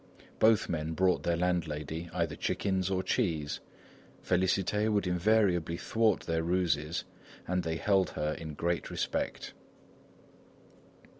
Both men brought their landlady either chickens or cheese. Félicité would invariably thwart their ruses and they held her in great respect.